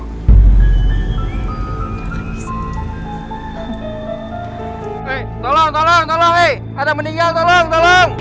hei ada yang meninggal tolong tolong